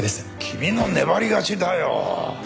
君の粘り勝ちだよ。